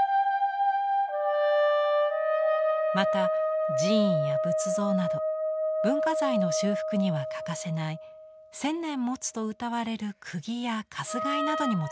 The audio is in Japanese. また寺院や仏像など文化財の修復には欠かせない千年もつとうたわれる釘や鎹などにも使われます。